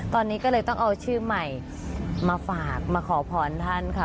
ตอนนี้ก็เลยต้องเอาชื่อใหม่มาฝากมาขอพรท่านค่ะ